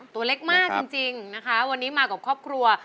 ตัวเล็กมากจริงนะคะวันนี้มากับครอบครัว